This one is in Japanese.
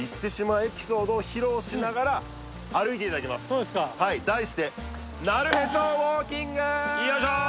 そうですかはいよいしょ！